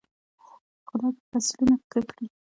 خدای به فصلونه ښه کړي.